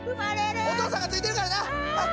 お父さんがついてるからなっ！